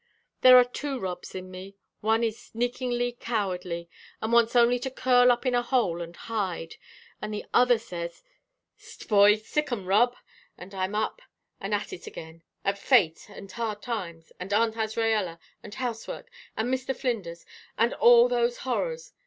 There are two Robs in me; one is sneakingly cowardly, and wants only to curl up in a hole and hide; and the other says: 'S't, boy! sic 'em, Rob!' And I'm up and at it again at fate, and hard times, and Aunt Azraella, and house work, and Mr. Flinders, and all those horrors.